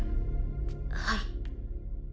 はい。